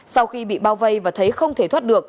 sau khi bị bao vây và thấy không thể thoát được